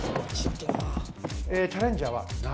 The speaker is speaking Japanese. チャレンジャーは「仲間」